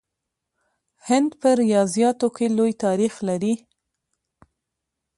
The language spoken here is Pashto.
هند په ریاضیاتو کې لوی تاریخ لري.